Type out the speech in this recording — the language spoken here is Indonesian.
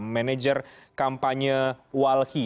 manager kampanye walhi